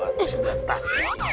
oh sudah tas